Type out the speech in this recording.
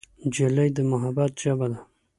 نجلۍ د محبت ژبه ده.